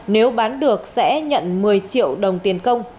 nếu bán được sẽ nhận một mươi triệu đồng tiền công